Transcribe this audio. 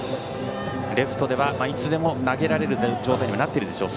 レフトでは、いつでも投げられる状態になっているでしょう